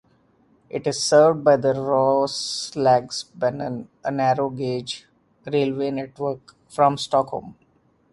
It is served by the Roslagsbanan, a narrow-gauge railway network from Stockholm.